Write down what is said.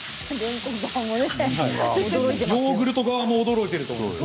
ヨーグルト側も驚いていると思います。